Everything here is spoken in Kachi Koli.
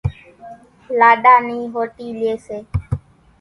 لاڏا نِي ۿوُٽِي ليئيَ سي۔